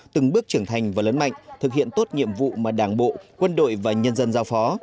từng bước trưởng thành và lớn mạnh thực hiện tốt nhiệm vụ mà đảng bộ quân đội và nhân dân giao phó